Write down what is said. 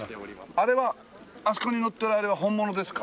あれはあそこに載っているあれは本物ですか？